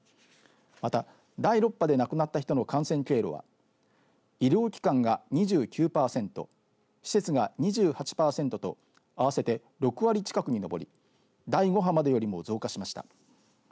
また、第６波で亡くなった人の感染経路は医療機関が２９パーセント施設が２８パーセントと合わせて６割近くに上り第５波までよりも増加しました。